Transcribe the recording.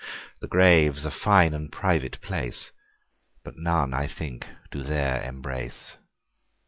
The Grave's a fine and private place, But none I think do there embrace.